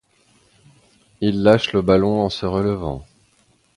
Il lâche le ballon en se relevant.